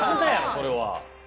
それは。